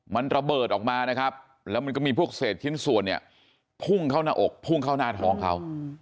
มันระเบิดออกมานะครับแล้วมันก็มีพวกเศษชิ้นส่วนเนี่ยพุ่งเข้าหน้าอกพุ่งเข้าหน้าท้องเขา